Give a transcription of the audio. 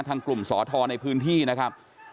ทางกลุ่มสอทรในพื้นที่นะครับ